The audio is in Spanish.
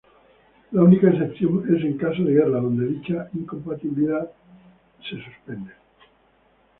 La única excepción es en caso de guerra donde dicha incompatibilidad es suspendida.